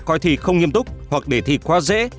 coi thi không nghiêm túc hoặc để thi quá dễ